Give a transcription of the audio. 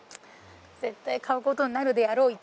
絶対買うことになるであろう１